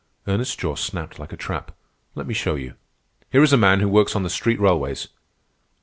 Ernest's jaw snapped like a trap. "Let me show you. Here is a man who works on the street railways."